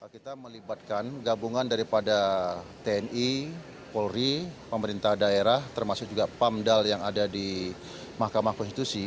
kita melibatkan gabungan daripada tni polri pemerintah daerah termasuk juga pamdal yang ada di mahkamah konstitusi